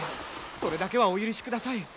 それだけはお許しください。